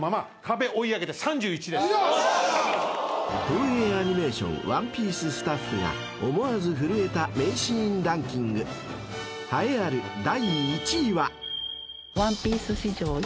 ［東映アニメーション『ワンピース』スタッフが思わず震えた名シーンランキング栄えある第１位は］